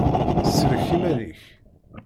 Sellek iman-ik!